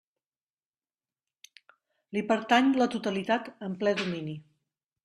Li pertany la totalitat en ple domini.